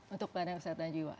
untuk peran kesehatan jiwa